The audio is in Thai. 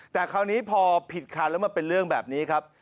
แต่คราวนี้พอผิดคันแล้วมาเป็นเรื่องแบบนี้ครับ